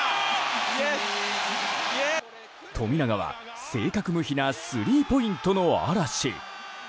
富永は正確無比なスリーポイントの嵐。